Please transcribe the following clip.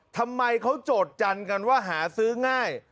ทำไมเขาโจทย์จันทร์กันว่าหาซื้อง่าย